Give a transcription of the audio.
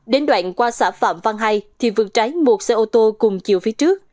đến đoạn qua xã phạm văn hai thì vượt trái một xe ô tô cùng chiều phía trước